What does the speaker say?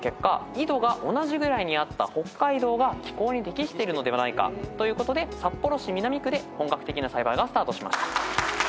緯度が同じぐらいにあった北海道が気候に適しているのではないかということで札幌市南区で本格的な栽培がスタートしました。